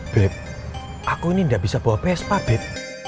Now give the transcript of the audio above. beb aku ini nggak bisa bawa pespa beb